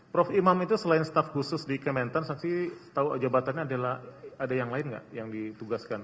prof imam itu selain staff khusus di kementan saksi tahu jabatannya adalah ada yang lain nggak yang ditugaskan